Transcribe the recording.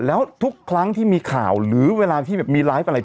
แล้วทุกครั้งที่มีข่าวหรือเวลาที่แบบมีไลฟ์อะไร